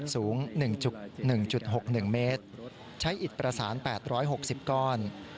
สูงหนึ่งจุดหนึ่งจุดหกหนึ่งเมตรใช้อิตประสานแปดร้อยหกสิบก้อน